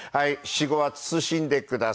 私語は慎んでくださいね。